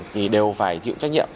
thì đều phải chịu trách nhiệm